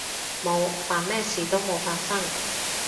冇，扮咩事都冇發生